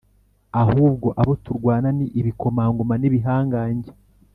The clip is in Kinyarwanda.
ahubwo abo turwana ni Ibikomangoma, n'Ibihangange,